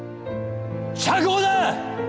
釈放だ！